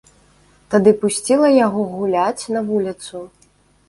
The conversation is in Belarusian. Тады пусціла яго гуляць на вуліцу.